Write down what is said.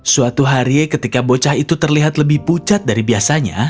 suatu hari ketika bocah itu terlihat lebih pucat dari biasanya